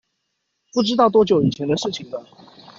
不知道多久以前的事情了